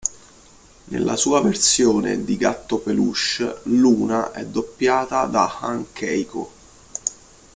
Nella sua versione di gatto peluche, Luna è doppiata da Han Keiko.